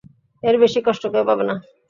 এর বেশি কষ্ট কেউ পাবে না।